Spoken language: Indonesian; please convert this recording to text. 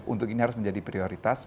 untuk ini harus menjadi prioritas